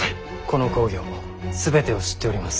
この公暁全てを知っております。